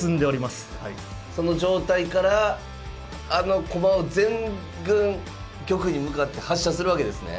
その状態からあの駒を全軍玉に向かって発射するわけですね。